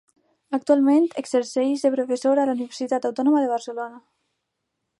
Actualment exerceix de professor a la Universitat Autònoma de Barcelona.